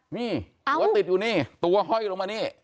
นี่หัวติดอยู่นี่ตัวห้อยลงมานี่